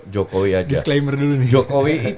jokowi aja disclaimer dulu nih